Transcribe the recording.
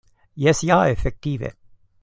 Jes ja, efektive.